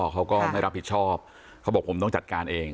เขาก็ไม่รับผิดชอบเขาบอกผมต้องจัดการเอง